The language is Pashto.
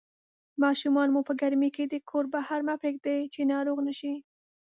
ماشومان مو په ګرمۍ کې د کور بهر مه پرېږدئ چې ناروغ نشي